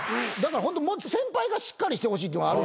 ホントもっと先輩がしっかりしてほしい。